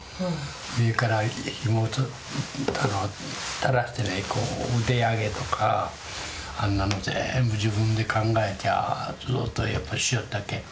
上からひもを垂らしてねこう腕上げとかあんなの全部自分で考えちゃあずーっとやっぱりしよったけん